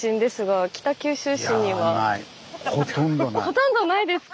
ほとんどないですか？